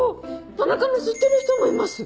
田中の知ってる人もいます。